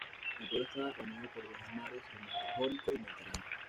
El pueblo está bañado por dos mares: el Mar Jónico y Mediterráneo.